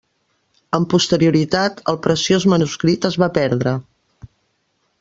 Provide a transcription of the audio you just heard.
Amb posterioritat, el preciós manuscrit es va perdre.